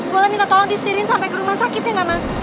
boleh minta tolong disetirin sampai ke rumah sakitnya gak mas